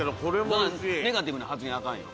ネガティブな発言あかんよ。